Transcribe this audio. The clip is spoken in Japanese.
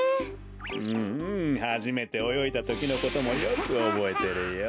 うんうんはじめておよいだときのこともよくおぼえてるよ。